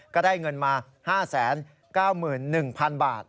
ก็ได้เงินมา๕๙๑๐๐๐บาท